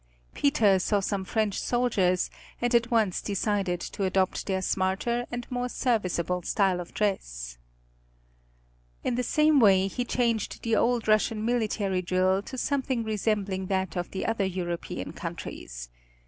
Peter saw some French soldiers and at once decided to adopt their smarter and more serviceable style of dress. [Illustration: PETER THE GREAT] In the same way he changed the old Russian military drill to something resembling that of the other European countries.